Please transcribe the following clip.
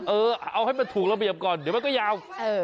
เออเอาให้มันถูกระเบียบก่อนเดี๋ยวมันก็ยาว